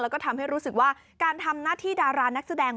แล้วก็ทำให้รู้สึกว่าการทำหน้าที่ดารานักแสดง